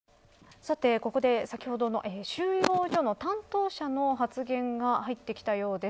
さて、ここで先ほどの収容所の担当者の発言が入ってきたようです。